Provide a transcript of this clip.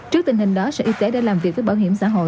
trước tình hình đó sở y tế đã làm việc với bảo hiểm xã hội